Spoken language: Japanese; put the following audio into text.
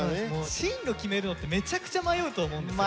進路決めるのってめちゃくちゃ迷うと思うんですよ。